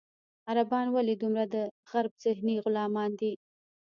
عربان ولې دومره د غرب ذهني غلامان دي.